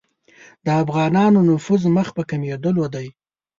د افغانانو نفوذ مخ په کمېدلو دی.